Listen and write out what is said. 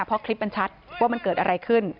เพราะคลิปมันชัดว่ามันเกิดอะไรขึ้น